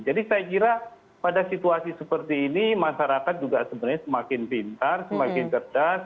jadi saya kira pada situasi seperti ini masyarakat juga sebenarnya semakin pintar semakin cerdas